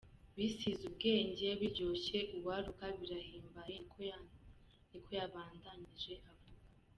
Bisize ubwenge, biryoshe, urwaruka, birahimbaye," niko yabandanije avuga.